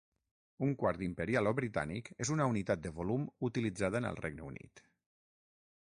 Un quart imperial o britànic és una unitat de volum utilitzada en el Regne Unit.